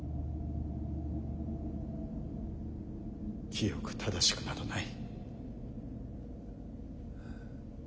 清く正しくなどない。